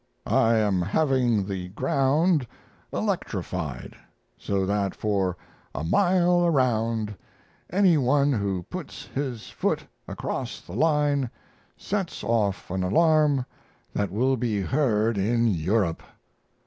I am having the ground electrified, so that for a mile around any one who puts his foot across the line sets off an alarm that will be heard in Europe.